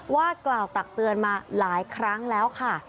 ว่ากล่าวตักเตือนมาหลายครั้งแล้วค่ะ